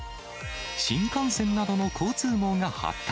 新幹線などの交通網が発達。